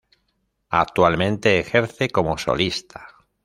Actualmente ejerce como solista.